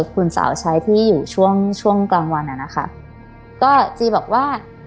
คุณสาวใช้ที่อยู่ช่วงช่วงกลางวันอ่ะนะคะก็จีบอกว่า